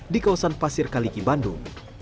di kawasan pasir kaliki bandung